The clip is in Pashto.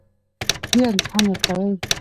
بیا امتحان ورکوئ